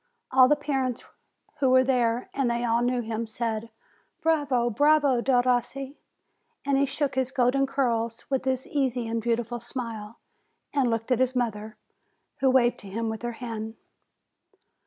All the parents who were there and they all knew him said: "Bravo, bravo, Derossi!" And he shook his golden curls, with his easy and beautiful smile, and looked at his mother, who waved to him with her hand.